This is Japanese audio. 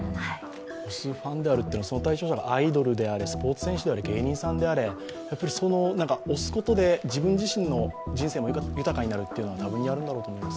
ファンというのはその対象者のスポーツ選手であれ、芸人さんであれ、推すことで自分自身の人生も豊かになるというのは多分にあるんだと思います。